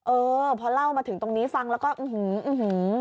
เออพอเล่ามาถึงตรงนี้ฟังแล้วก็อื้อหืออื้อหือ